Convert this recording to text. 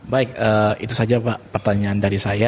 baik itu saja pak pertanyaan dari saya